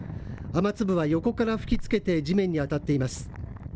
雨粒は横から吹きつけて地面に当たっています。